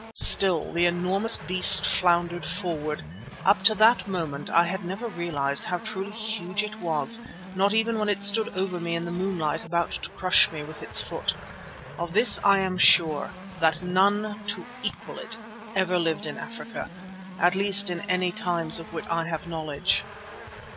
Still the enormous beast floundered forward; up to that moment I had never realized how truly huge it was, not even when it stood over me in the moonlight about to crush me with its foot. Of this I am sure, that none to equal it ever lived in Africa, at least in any times of which I have knowledge.